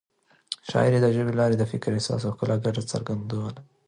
شاعري د ژبې له لارې د فکر، احساس او ښکلا ګډه څرګندونه ده.